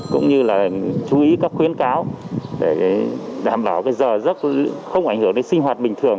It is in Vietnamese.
cũng như là chú ý các khuyến cáo để đảm bảo bây giờ rất không ảnh hưởng đến sinh hoạt bình thường